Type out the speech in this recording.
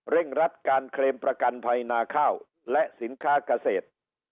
รัดการเคลมประกันภัยนาข้าวและสินค้าเกษตร